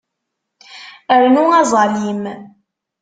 Rnu aẓalim.